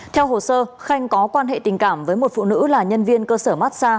theo hồ sơ khanh có quan hệ tình cảm với một phụ nữ là nhân viên cơ sở massag